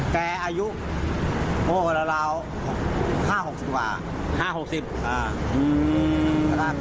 แกอายุโอ้ราวราวห้าหกสิบกว่าห้าหกสิบอ่าอืม